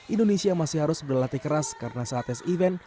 indonesia masih harus berlatih keras karena saat tes event